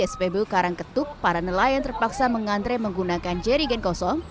spbu karangketuk para nelayan terpaksa mengantre menggunakan jerigen kosong